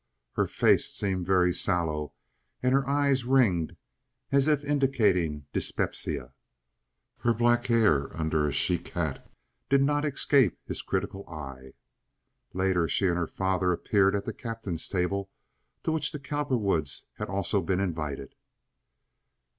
Her face seemed very sallow, and her eyes ringed as if indicating dyspepsia. Her black hair under a chic hat did not escape his critical eye. Later she and her father appeared at the captain's table, to which the Cowperwoods had also been invited.